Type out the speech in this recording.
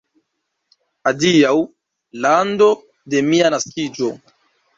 Adiaŭ, lando de mia naskiĝo!